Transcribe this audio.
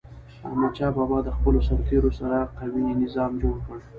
احمدشاه بابا د خپلو سرتېرو سره قوي نظام جوړ کړ.